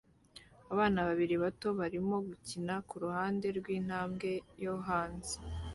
Abana babiri bato barimo gukina kuruhande rwintambwe yo hanze